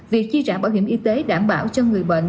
việc chi trả bảo hiểm y tế đảm bảo cho người bệnh